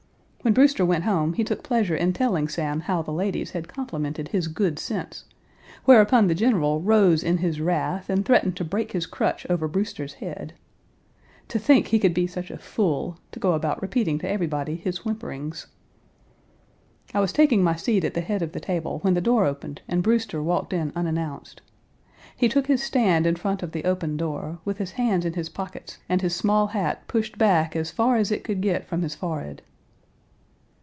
When Brewster went home he took pleasure in telling Sam how the ladies had complimented his good sense, whereupon the General rose in his wrath and threatened to break his crutch over Brewster's head. To think he could be such a fool to go about repeating to everybody his whimperings. I was taking my seat at the head of the table when the door opened and Brewster walked in unannounced. He took his stand in front of the open door, with his hands in his pockets and his small hat pushed back as far as it could get from his forehead.